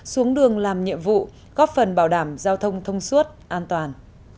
xuống đường làm nhiệm vụ góp phần bảo đảm giao thông thông suốt an toàn